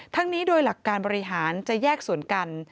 ทั้งนี้โดยหลักการบริหารจะแยกส่วนกัน